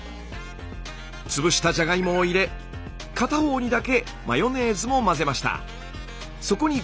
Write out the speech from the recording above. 潰したじゃがいもを入れ片方にだけマヨネーズも混ぜました。